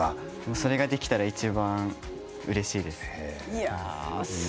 それができたらいちばんうれしいです。